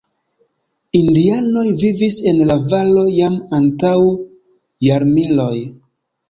Indianoj vivis en la valo jam antaŭ jarmiloj.